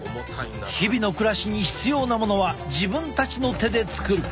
日々の暮らしに必要なものは自分たちの手で作る。